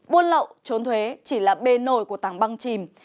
buôn lậu trốn thuế chỉ là bê nồi của tàng băng chìm